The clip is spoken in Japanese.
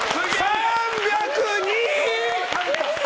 ３０２！